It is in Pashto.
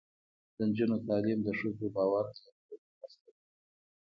د نجونو تعلیم د ښځو باور زیاتولو مرسته ده.